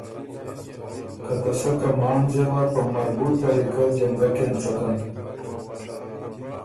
که ته سۀ کمانډ ځېمه په مربوط طریقه جنګک اېنڅکن۔